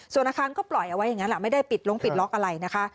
ส่วนอาคารก็ปล่อยเอาไว้อย่างนั้นแหละไม่ได้ปิดลงปิดล็อกอะไรนะคะ